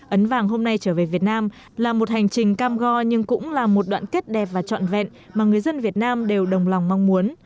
ấn vàng hôm nay trở về việt nam là một hành trình cam go nhưng cũng là một đoạn kết đẹp và trọn vẹn mà người dân việt nam đều đồng lòng mong muốn